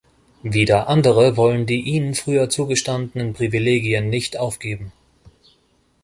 Wieder andere wollen die ihnen früher zugestandenen Privilegien nicht aufgeben.